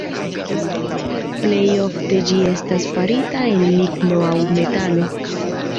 Plejofte ĝi estas farita el ligno aŭ metalo.